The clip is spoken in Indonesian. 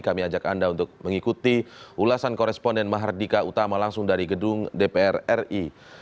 kami ajak anda untuk mengikuti ulasan koresponden mahardika utama langsung dari gedung dpr ri